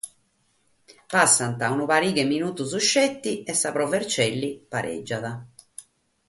Nche colant petzi una paja de minutos e sa Pro Vercelli parègiat.